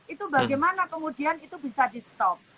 itu bagaimana kemudian itu bisa di stop